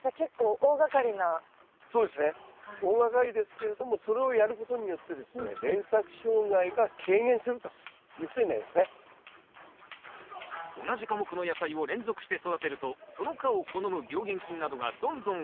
大がかりですけれどもそれをやることによってですね同じ科目の野菜を連続して育てるとその科を好む病原菌などがどんどん増える。